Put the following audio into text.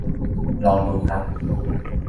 ลองดู ครับ